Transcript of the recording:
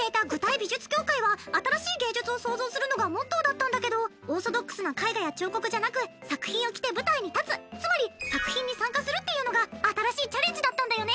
美術協会は「新しい芸術を創造する」のがモットーだったんだけどオーソドックスな絵画や彫刻じゃなく作品を着て舞台に立つつまり作品に参加するっていうのが新しいチャレンジだったんだよね。